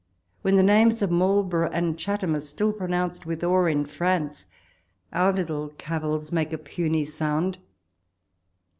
When the names of Marlborough and Chatham are still pronounced with awe in France, our little cavils make a puny sound.